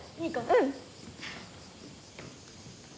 うん！